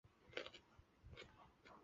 我一个人住在这